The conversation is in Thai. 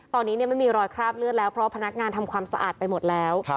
ตอนนี้ไม่มีรอยคราบเลือดแล้วเพราะพนักงานทำความสะอาดไปหมดแล้ว